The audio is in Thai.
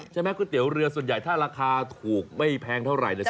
ก๋วยเตี๋ยวเรือส่วนใหญ่ถ้าราคาถูกไม่แพงเท่าไหร่